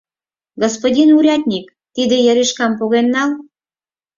Господин урядник, тиде яришкам поген нал!